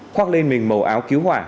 khoác lên mình màu áo cứu hỏa